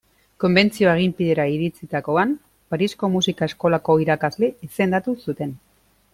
Konbentzioa aginpidera iritsitakoan, Parisko Musika Eskolako irakasle izendatu zuten.